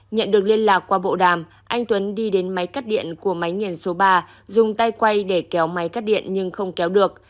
nhận được liên lạc qua bộ đàm anh tuấn đi đến máy cắt điện của máy nghiền số ba dùng tay quay để kéo máy cắt điện nhưng không kéo được